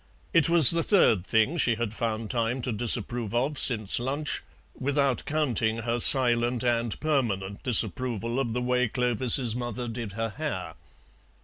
It was the third thing she had found time to disapprove of since lunch, without counting her silent and permanent disapproval of the way Clovis's mother did her hair.